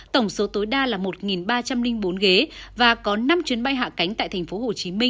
tổng số tối đa là một ba trăm linh bốn ghế và có năm chuyến bay hạ cánh tại tp hcm